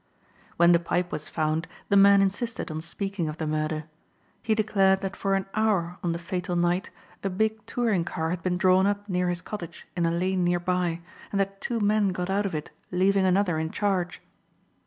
When the pipe was found the man insisted on speaking of the murder. He declared that for an hour on the fatal night a big touring car had been drawn up near his cottage in a lane nearby and that two men got out of it leaving another in charge.